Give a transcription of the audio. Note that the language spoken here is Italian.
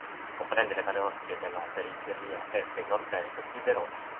Comprende le parrocchie della periferia est e nordest di Verona.